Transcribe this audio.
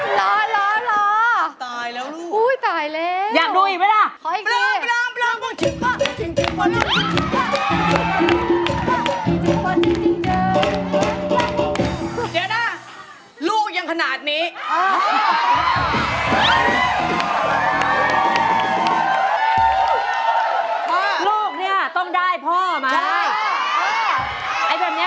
หว่าแต่พ่อแล้วจัดอยู่ทั้งทีพ่อเพลงก็มียินดีจัดให้